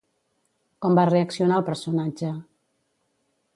Com va reaccionar el personatge?